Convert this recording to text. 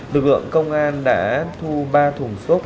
lực lượng công an đã thu ba thùng xốp